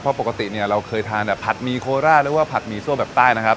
เพราะปกติเนี่ยเราเคยทานแต่ผัดหมี่โคราชหรือว่าผัดหมี่ซั่วแบบใต้นะครับ